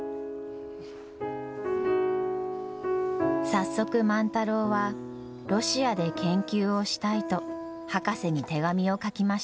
早速万太郎はロシアで研究をしたいと博士に手紙を書きました。